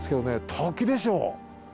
滝でしょ。